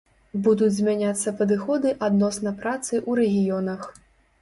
Будуць змяняцца падыходы адносна працы ў рэгіёнах.